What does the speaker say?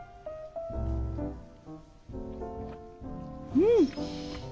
うん！